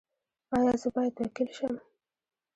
ایا زه باید وکیل شم؟